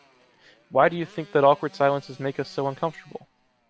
Why do you think that awkward silences make us so uncomfortable?